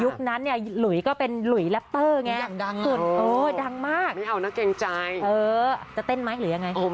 ยุคนั้นหลุยก็เป็นหลุยลัปเตอร์ไง